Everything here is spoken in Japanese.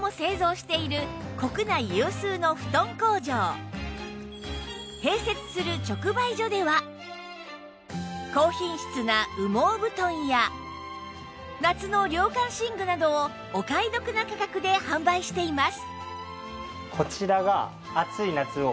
そんな併設する直売所では高品質な羽毛布団や夏の涼感寝具などをお買い得な価格で販売しています